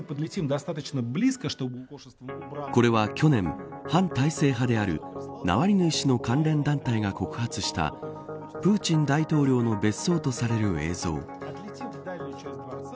これは去年、反体制派であるナワリヌイ氏の関連団体が告発したプーチン大統領の別荘とされる映像。